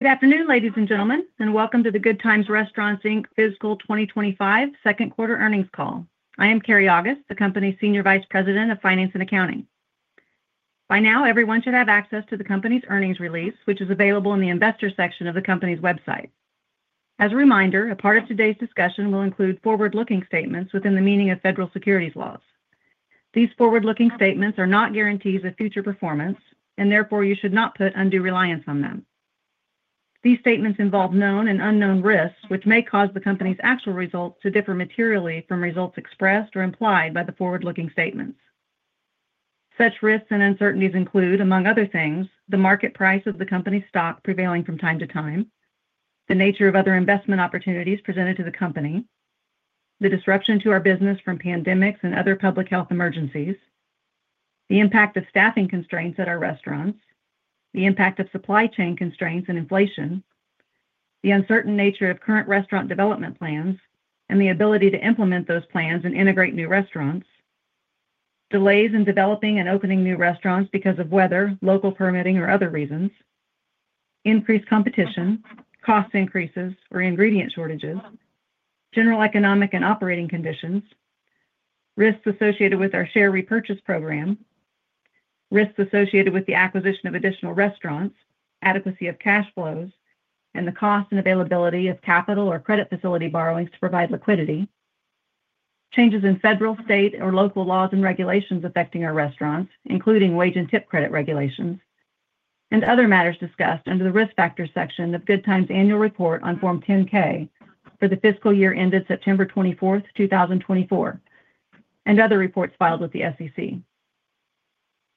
Good afternoon, ladies and gentlemen, and welcome to the Good Times Restaurants Inc fiscal 2025 second quarter earnings call. I am Keri August, the company's Senior Vice President of Finance and Accounting. By now, everyone should have access to the company's earnings release, which is available in the investor section of the company's website. As a reminder, a part of today's discussion will include forward-looking statements within the meaning of federal securities laws. These forward-looking statements are not guarantees of future performance, and therefore you should not put undue reliance on them. These statements involve known and unknown risks, which may cause the company's actual results to differ materially from results expressed or implied by the forward-looking statements. Such risks and uncertainties include, among other things, the market price of the company's stock prevailing from time to time, the nature of other investment opportunities presented to the company, the disruption to our business from pandemics and other public health emergencies, the impact of staffing constraints at our restaurants, the impact of supply chain constraints and inflation, the uncertain nature of current restaurant development plans, and the ability to implement those plans and integrate new restaurants, delays in developing and opening new restaurants because of weather, local permitting, or other reasons, increased competition, cost increases or ingredient shortages, general economic and operating conditions, risks associated with our share repurchase program, risks associated with the acquisition of additional restaurants, adequacy of cash flows, and the cost and availability of capital or credit facility borrowings to provide liquidity, changes in federal, state, or local laws and regulations affecting our restaurants, including wage and tip credit regulations, and other matters discussed under the risk factors section of Good Times Annual Report on Form 10-K for the fiscal year ended September 24th, 2024, and other reports filed with the SEC.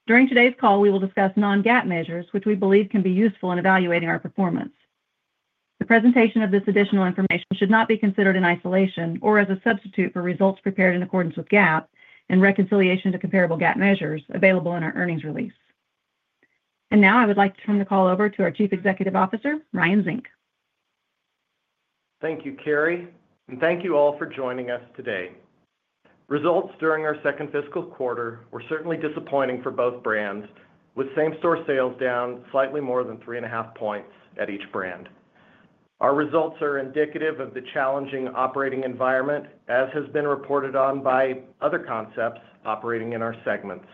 During today's call, we will discuss non-GAAP measures, which we believe can be useful in evaluating our performance. The presentation of this additional information should not be considered in isolation or as a substitute for results prepared in accordance with GAAP and reconciliation to comparable GAAP measures available in our earnings release. I would like to turn the call over to our Chief Executive Officer, Ryan Zink. Thank you, Keri, and thank you all for joining us today. Results during our second fiscal quarter were certainly disappointing for both brands, with same-store sales down slightly more than three and a half percentage points at each brand. Our results are indicative of the challenging operating environment, as has been reported on by other concepts operating in our segments.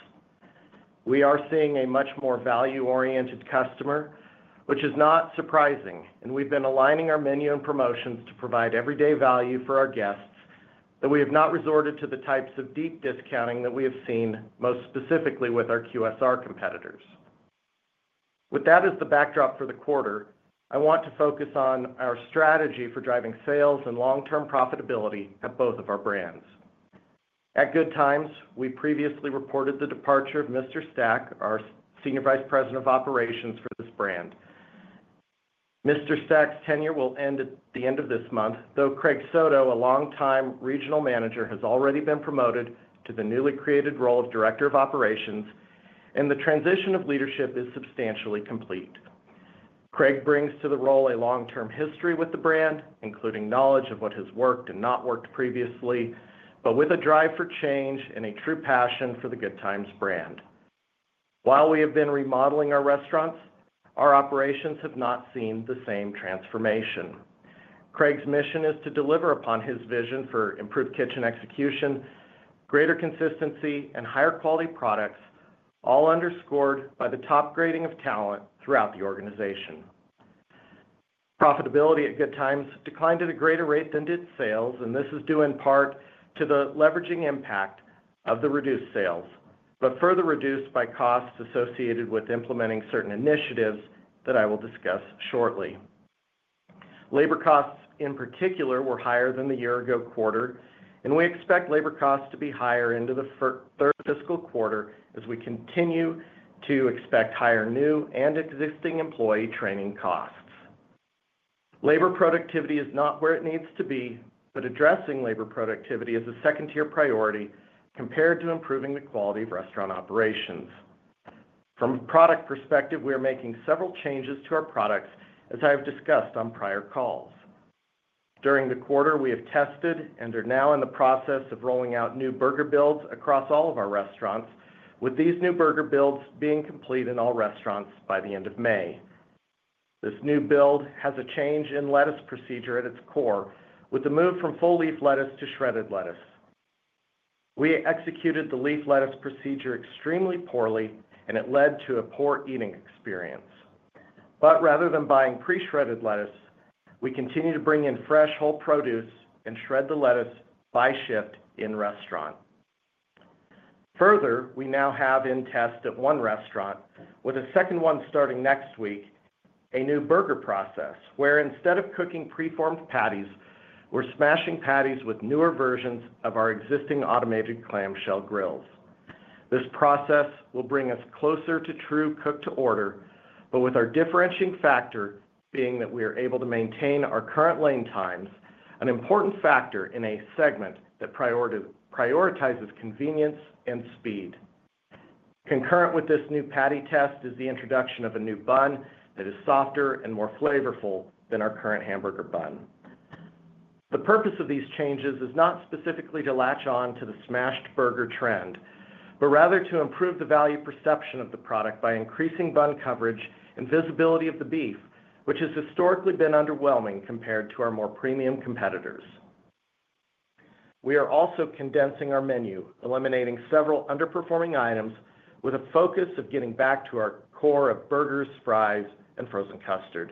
We are seeing a much more value-oriented customer, which is not surprising, and we've been aligning our menu and promotions to provide everyday value for our guests, but we have not resorted to the types of deep discounting that we have seen most specifically with our QSR competitors. With that as the backdrop for the quarter, I want to focus on our strategy for driving sales and long-term profitability at both of our brands. At Good Times, we previously reported the departure of Mr. Stack. Stack, our Senior Vice President of Operations for this brand. Mr. Stack's tenure will end at the end of this month, though Craig Soto, a long-time regional manager, has already been promoted to the newly created role of Director of Operations, and the transition of leadership is substantially complete. Craig brings to the role a long-term history with the brand, including knowledge of what has worked and not worked previously, but with a drive for change and a true passion for the Good Times brand. While we have been remodeling our restaurants, our operations have not seen the same transformation. Craig's mission is to deliver upon his vision for improved kitchen execution, greater consistency, and higher quality products, all underscored by the top grading of talent throughout the organization. Profitability at Good Times declined at a greater rate than did sales, and this is due in part to the leveraging impact of the reduced sales, but further reduced by costs associated with implementing certain initiatives that I will discuss shortly. Labor costs, in particular, were higher than the year-ago quarter, and we expect labor costs to be higher into the third fiscal quarter as we continue to expect higher new and existing employee training costs. Labor productivity is not where it needs to be, but addressing labor productivity is a second-tier priority compared to improving the quality of restaurant operations. From a product perspective, we are making several changes to our products, as I have discussed on prior calls. During the quarter, we have tested and are now in the process of rolling out new burger builds across all of our restaurants, with these new burger builds being complete in all restaurants by the end of May. This new build has a change in lettuce procedure at its core, with the move from full leaf lettuce to shredded lettuce. We executed the leaf lettuce procedure extremely poorly, and it led to a poor eating experience. Rather than buying pre-shredded lettuce, we continue to bring in fresh whole produce and shred the lettuce by shift in restaurant. Further, we now have in test at one restaurant, with a second one starting next week, a new burger process where instead of cooking pre-formed patties, we're smashing patties with newer versions of our existing automated clamshell grills. This process will bring us closer to true cook-to-order, but with our differentiating factor being that we are able to maintain our current lane times, an important factor in a segment that prioritizes convenience and speed. Concurrent with this new patty test is the introduction of a new bun that is softer and more flavorful than our current hamburger bun. The purpose of these changes is not specifically to latch on to the smashed burger trend, but rather to improve the value perception of the product by increasing bun coverage and visibility of the beef, which has historically been underwhelming compared to our more premium competitors. We are also condensing our menu, eliminating several underperforming items with a focus of getting back to our core of burgers, fries, and frozen custard.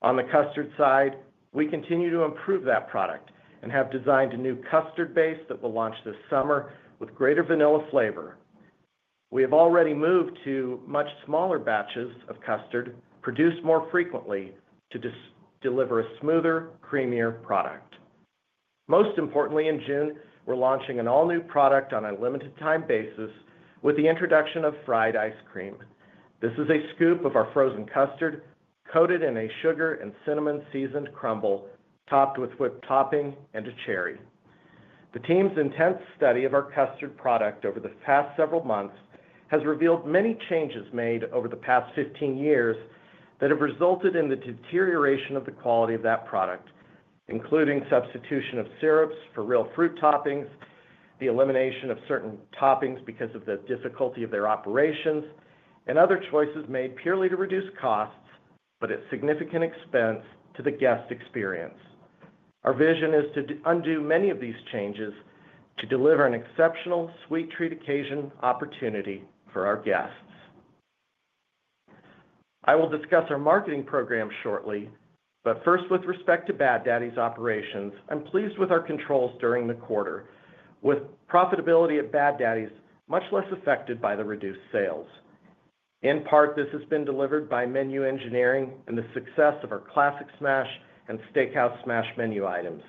On the custard side, we continue to improve that product and have designed a new custard base that we'll launch this summer with greater vanilla flavor. We have already moved to much smaller batches of custard, produced more frequently to deliver a smoother, creamier product. Most importantly, in June, we're launching an all-new product on a limited-time basis with the introduction of fried ice cream. This is a scoop of our frozen custard coated in a sugar and cinnamon seasoned crumble, topped with whipped topping and a cherry. The team's intense study of our custard product over the past several months has revealed many changes made over the past 15 years that have resulted in the deterioration of the quality of that product, including substitution of syrups for real fruit toppings, the elimination of certain toppings because of the difficulty of their operations, and other choices made purely to reduce costs, but at significant expense to the guest experience. Our vision is to undo many of these changes to deliver an exceptional sweet treat occasion opportunity for our guests. I will discuss our marketing program shortly, but first, with respect to Bad Daddy's operations, I'm pleased with our controls during the quarter, with profitability at Bad Daddy's much less affected by the reduced sales. In part, this has been delivered by menu engineering and the success of our classic smash and steakhouse smash menu items.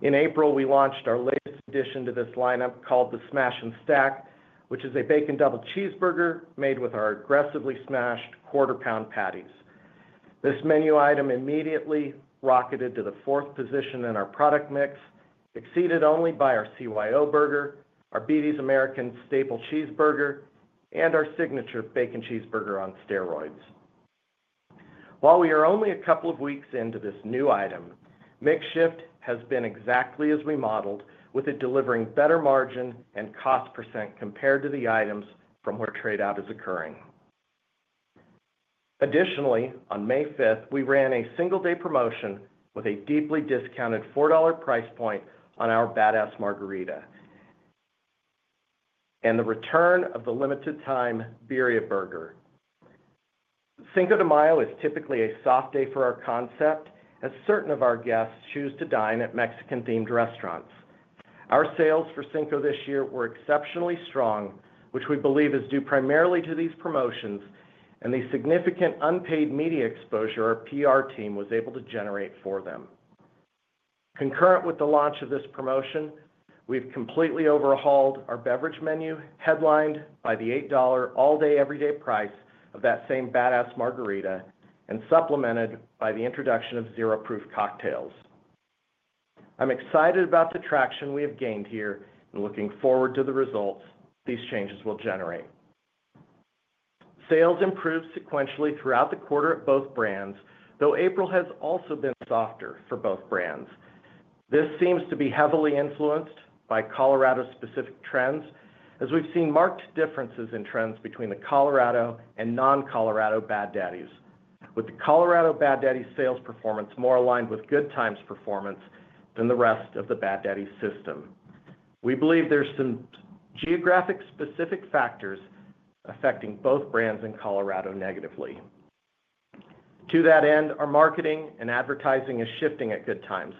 In April, we launched our latest addition to this lineup called the Smash n' Stack, which is a bacon double cheeseburger made with our aggressively smashed quarter-pound patties. This menu item immediately rocketed to the fourth position in our product mix, exceeded only by our CYO burger, our BD's American Staple Cheeseburger, and our Signature Bacon Cheeseburger on Steroids. While we are only a couple of weeks into this new item, makeshift has been exactly as we modeled, with it delivering better margin and cost percent compared to the items from where tradeout is occurring. Additionally, on May 5th, we ran a single-day promotion with a deeply discounted $4 price point on our Bad Ass Margarita and the return of the limited-time Birria burger. Cinco de Mayo is typically a soft day for our concept, as certain of our guests choose to dine at Mexican-themed restaurants. Our sales for Cinco this year were exceptionally strong, which we believe is due primarily to these promotions and the significant unpaid media exposure our PR team was able to generate for them. Concurrent with the launch of this promotion, we've completely overhauled our beverage menu headlined by the $8 all-day everyday price of that same Bad Ass Margarita and supplemented by the introduction of zero proof cocktails. I'm excited about the traction we have gained here and looking forward to the results these changes will generate. Sales improved sequentially throughout the quarter at both brands, though April has also been softer for both brands. This seems to be heavily influenced by Colorado-specific trends, as we've seen marked differences in trends between the Colorado and non-Colorado Bad Daddy's, with the Colorado Bad Daddy's sales performance more aligned with Good Times' performance than the rest of the Bad Daddy's system. We believe there are some geographic-specific factors affecting both brands and Colorado negatively. To that end, our marketing and advertising is shifting at Good Times.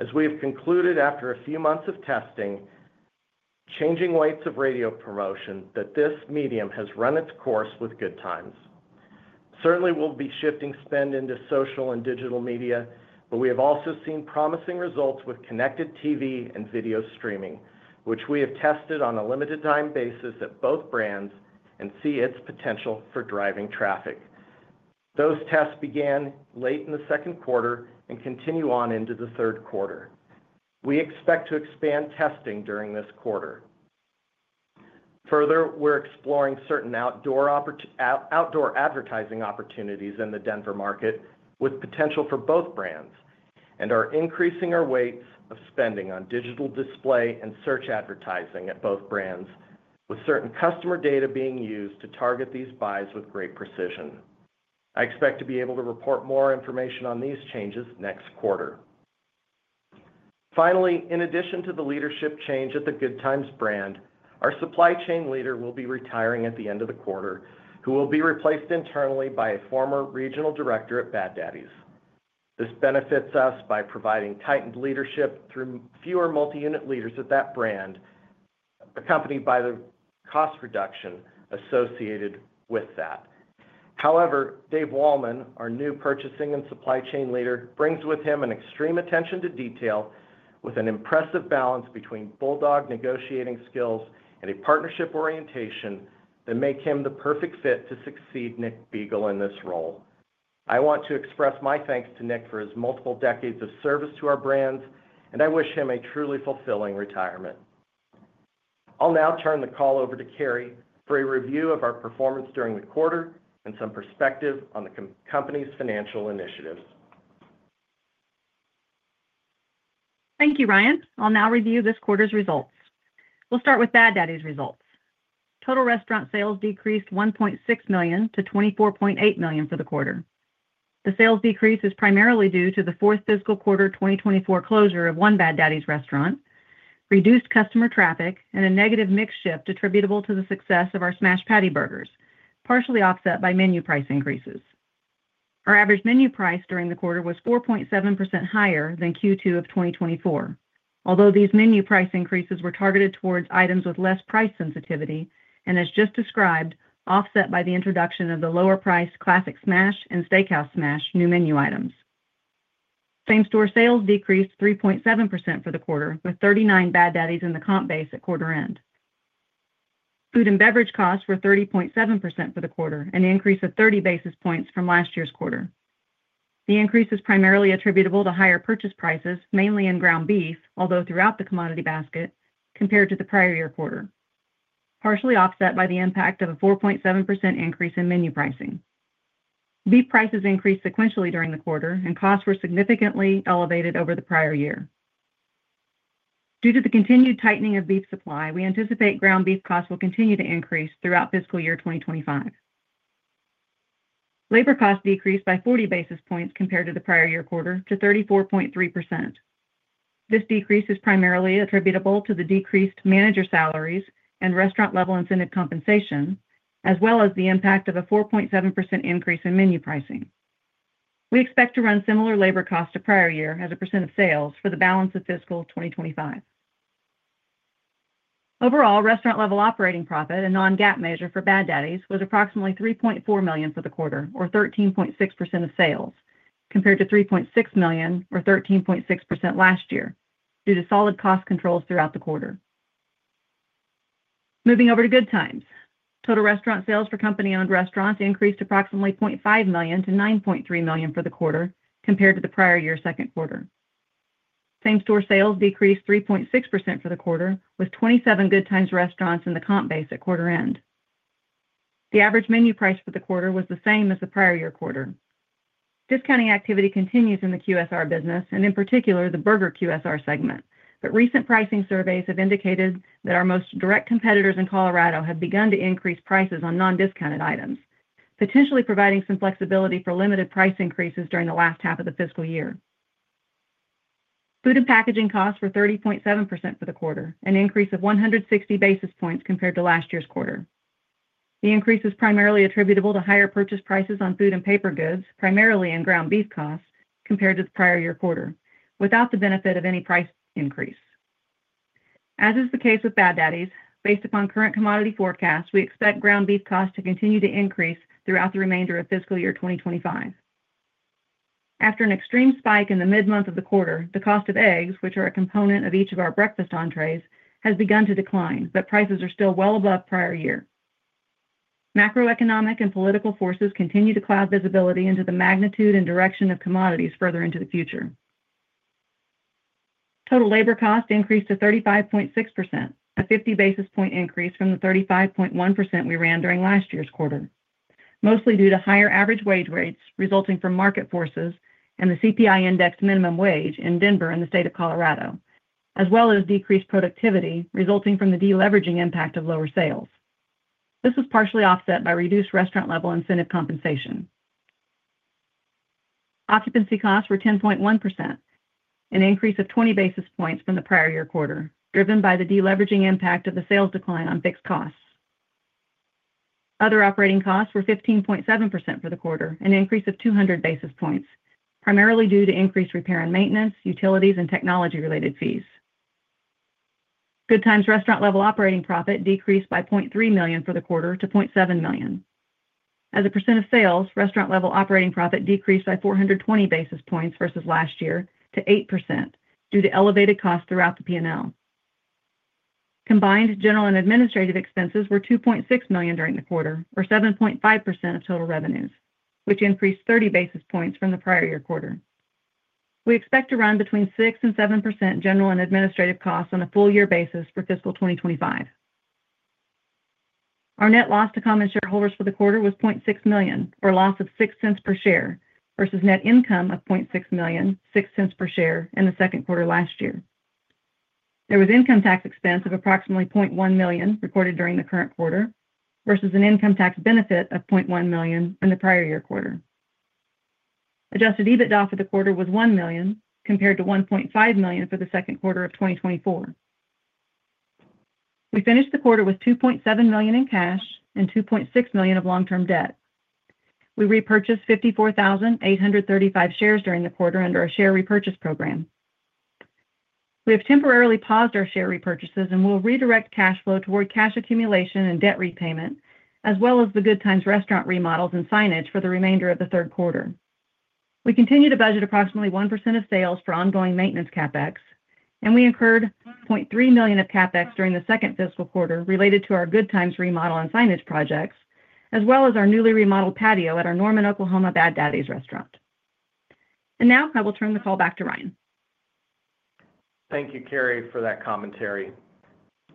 As we have concluded after a few months of testing, changing weights of radio promotion that this medium has run its course with Good Times. Certainly, we'll be shifting spend into social and digital media, but we have also seen promising results with connected TV and video streaming, which we have tested on a limited-time basis at both brands and see its potential for driving traffic. Those tests began late in the second quarter and continue on into the third quarter. We expect to expand testing during this quarter. Further, we're exploring certain outdoor advertising opportunities in the Denver market with potential for both brands, and are increasing our weights of spending on digital display and search advertising at both brands, with certain customer data being used to target these buys with great precision. I expect to be able to report more information on these changes next quarter. Finally, in addition to the leadership change at the Good Times brand, our supply chain leader will be retiring at the end of the quarter, who will be replaced internally by a former regional director at Bad Daddy's. This benefits us by providing tightened leadership through fewer multi-unit leaders at that brand, accompanied by the cost reduction associated with that. However, Dave Wallman, our new purchasing and supply chain leader, brings with him an extreme attention to detail, with an impressive balance between bulldog negotiating skills and a partnership orientation that make him the perfect fit to succeed Nick Beagle in this role. I want to express my thanks to Nick for his multiple decades of service to our brands, and I wish him a truly fulfilling retirement. I'll now turn the call over to Keri for a review of our performance during the quarter and some perspective on the company's financial initiatives. Thank you, Ryan. I'll now review this quarter's results. We'll start with Bad Daddy's results. Total restaurant sales decreased $1.6 million to $24.8 million for the quarter. The sales decrease is primarily due to the fourth fiscal quarter 2024 closure of one Bad Daddy's restaurant, reduced customer traffic, and a negative mix shift attributable to the success of our smashed patty burgers, partially offset by menu price increases. Our average menu price during the quarter was 4.7% higher than Q2 of 2024, although these menu price increases were targeted towards items with less price sensitivity and, as just described, offset by the introduction of the lower-priced classic smash and steakhouse smash new menu items. Same-store sales decreased 3.7% for the quarter, with 39 Bad Daddy's in the comp base at quarter end. Food and beverage costs were 30.7% for the quarter, an increase of 30 basis points from last year's quarter. The increase is primarily attributable to higher purchase prices, mainly in ground beef, although throughout the commodity basket, compared to the prior year quarter, partially offset by the impact of a 4.7% increase in menu pricing. Beef prices increased sequentially during the quarter, and costs were significantly elevated over the prior year. Due to the continued tightening of beef supply, we anticipate ground beef costs will continue to increase throughout fiscal year 2025. Labor costs decreased by 40 basis points compared to the prior year quarter to 34.3%. This decrease is primarily attributable to the decreased manager salaries and restaurant-level incentive compensation, as well as the impact of a 4.7% increase in menu pricing. We expect to run similar labor costs to prior year as a percent of sales for the balance of fiscal 2025. Overall, restaurant-level operating profit, a non-GAAP measure for Bad Daddy's, was approximately $3.4 million for the quarter, or 13.6% of sales, compared to $3.6 million or 13.6% last year due to solid cost controls throughout the quarter. Moving over to Good Times. Total restaurant sales for company-owned restaurants increased approximately $0.5 million to $9.3 million for the quarter compared to the prior year second quarter. Same-store sales decreased 3.6% for the quarter, with 27 Good Times restaurants in the comp base at quarter end. The average menu price for the quarter was the same as the prior year quarter. Discounting activity continues in the QSR business and, in particular, the burger QSR segment, but recent pricing surveys have indicated that our most direct competitors in Colorado have begun to increase prices on non-discounted items, potentially providing some flexibility for limited price increases during the last half of the fiscal year. Food and packaging costs were 30.7% for the quarter, an increase of 160 basis points compared to last year's quarter. The increase is primarily attributable to higher purchase prices on food and paper goods, primarily in ground beef costs compared to the prior year quarter, without the benefit of any price increase. As is the case with Bad Daddy's, based upon current commodity forecasts, we expect ground beef costs to continue to increase throughout the remainder of fiscal year 2025. After an extreme spike in the mid-month of the quarter, the cost of eggs, which are a component of each of our breakfast entrees, has begun to decline, but prices are still well above prior year. Macroeconomic and political forces continue to cloud visibility into the magnitude and direction of commodities further into the future. Total labor costs increased to 35.6%, a 50 basis point increase from the 35.1% we ran during last year's quarter, mostly due to higher average wage rates resulting from market forces and the CPI index minimum wage in Denver and the state of Colorado, as well as decreased productivity resulting from the deleveraging impact of lower sales. This was partially offset by reduced restaurant-level incentive compensation. Occupancy costs were 10.1%, an increase of 20 basis points from the prior year quarter, driven by the deleveraging impact of the sales decline on fixed costs. Other operating costs were 15.7% for the quarter, an increase of 200 basis points, primarily due to increased repair and maintenance, utilities, and technology-related fees. Good Times restaurant-level operating profit decreased by $0.3 million for the quarter to $0.7 million. As a percent of sales, restaurant-level operating profit decreased by 420 basis points versus last year to 8% due to elevated costs throughout the P&L. Combined general and administrative expenses were $2.6 million during the quarter, or 7.5% of total revenues, which increased 30 basis points from the prior year quarter. We expect to run between 6%-7% general and administrative costs on a full-year basis for fiscal 2025. Our net loss to common shareholders for the quarter was $0.6 million, or loss of $0.06 per share, versus net income of $0.6 million, $0.06 per share in the second quarter last year. There was income tax expense of approximately $0.1 million recorded during the current quarter, versus an income tax benefit of $0.1 million in the prior year quarter. Adjusted EBITDA for the quarter was $1 million, compared to $1.5 million for the second quarter of 2024. We finished the quarter with $2.7 million in cash and $2.6 million of long-term debt. We repurchased 54,835 shares during the quarter under a share repurchase program. We have temporarily paused our share repurchases and will redirect cash flow toward cash accumulation and debt repayment, as well as the Good Times restaurant remodels and signage for the remainder of the third quarter. We continue to budget approximately 1% of sales for ongoing maintenance CapEx, and we incurred $0.3 million of CapEx during the second fiscal quarter related to our Good Times remodel and signage projects, as well as our newly remodeled patio at our Norman, Oklahoma Bad Daddy's restaurant. I will turn the call back to Ryan. Thank you, Keri, for that commentary.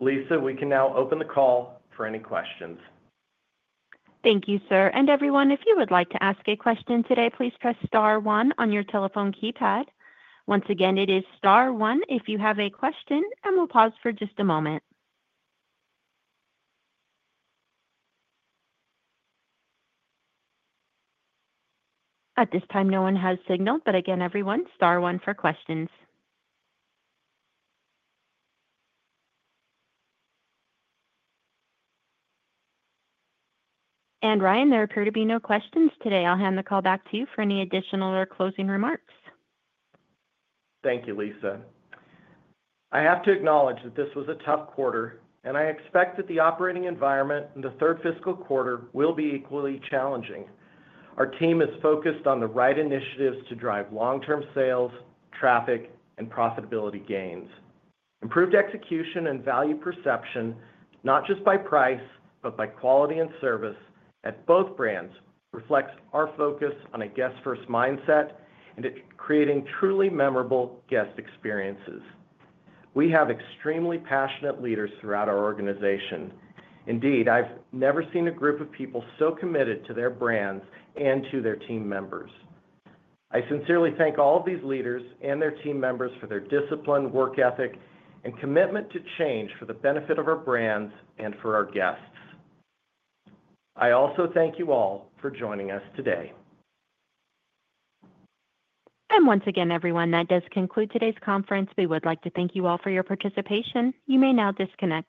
Lisa, we can now open the call for any questions. Thank you, sir. Everyone, if you would like to ask a question today, please press star one on your telephone keypad. Once again, it is star one if you have a question, and we'll pause for just a moment. At this time, no one has signaled, but again, everyone, star one for questions. Ryan, there appear to be no questions today. I'll hand the call back to you for any additional or closing remarks. Thank you, Lisa. I have to acknowledge that this was a tough quarter, and I expect that the operating environment in the third fiscal quarter will be equally challenging. Our team is focused on the right initiatives to drive long-term sales, traffic, and profitability gains. Improved execution and value perception, not just by price, but by quality and service at both brands, reflects our focus on a guest-first mindset and creating truly memorable guest experiences. We have extremely passionate leaders throughout our organization. Indeed, I've never seen a group of people so committed to their brands and to their team members. I sincerely thank all of these leaders and their team members for their discipline, work ethic, and commitment to change for the benefit of our brands and for our guests. I also thank you all for joining us today. Once again, everyone, that does conclude today's conference. We would like to thank you all for your participation. You may now disconnect.